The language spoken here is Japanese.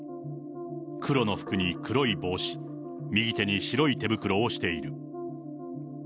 黒の服に黒い帽子、右手に白い手袋をしている。